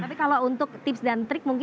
tapi kalau untuk tips dan trik mungkin